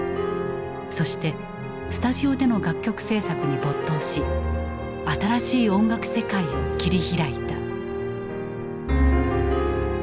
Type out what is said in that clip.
そしてスタジオでの楽曲制作に没頭し新しい音楽世界を切り開いた。